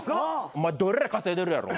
お前どえらい稼いでるやろ？